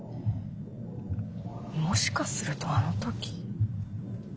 もしかするとあの時。